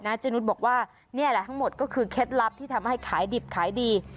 เจนุสบอกว่านี่แหละทั้งหมดก็คือเคล็ดลับที่ทำให้ขายดิบขายดี